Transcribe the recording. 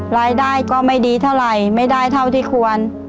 รายได้ก็ไม่ดีเท่าไหร่ไม่ได้เท่าที่ควร